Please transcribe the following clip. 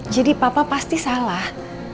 jadi papa pasti salah